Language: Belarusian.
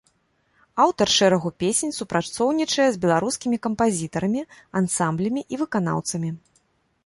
Аўтар шэрагу песень, супрацоўнічае з беларускімі кампазітарамі, ансамблямі і выканаўцамі.